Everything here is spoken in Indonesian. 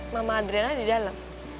mama adriana di dalam